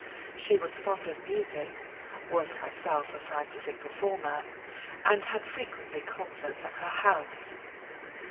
She was fond of music, was herself a scientific performer, and had frequently concerts at her house.